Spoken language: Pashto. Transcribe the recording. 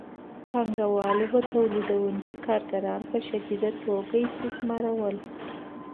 پانګوالو به تولیدونکي کارګران په شدیده توګه استثمارول